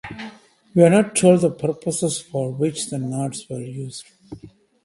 We are not told the purposes for which the knots were used.